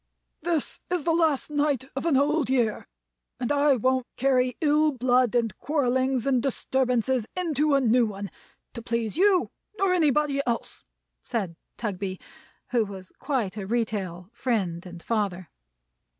"This is the last night of an Old Year, and I won't carry ill blood and quarrelings and disturbances into a New One, to please you nor anybody else," said Tugby, who was quite a retail Friend and Father.